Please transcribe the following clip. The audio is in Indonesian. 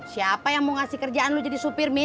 siapa yang mau ngasih kerjaan lo jadi supir min